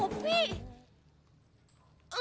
nih lu ngerti gak